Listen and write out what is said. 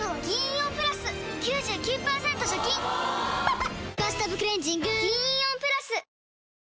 ・おぉ「バスタブクレンジング」銀イオンプラス！